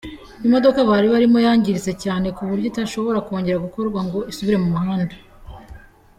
Imodoka bari barimo yangiritse cyane ku buryo idashobora kongera gukorwa ngo isubire mu muhanda.